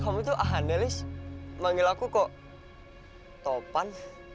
kamu tuh ahandelis manggil aku kok topan